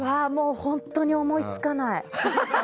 本当に思いつかない。